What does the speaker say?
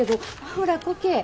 ほらこけえ